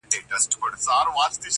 له ستړیا له بېخوبیه لکه مړی٫